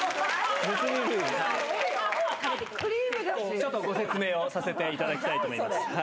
ちょっとご説明をさせていただきたいと思います。